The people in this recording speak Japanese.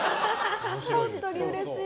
本当にうれしい。